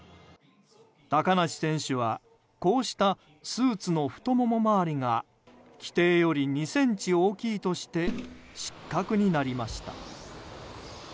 高梨選手はこうしたスーツの太もも回りが規定より２ｃｍ大きいとして失格になりました。